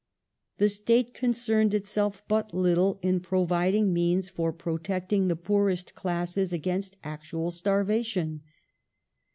The State concerned itself but little in providing means for protecting the poorest classes against actual starvation.